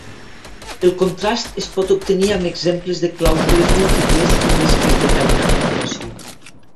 El contrast es pot obtenir amb exemples de clàusules múltiples com les que es detallen a continuació.